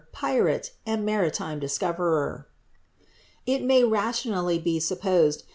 pimie, and marhime discoverer." It may rationally be supposed.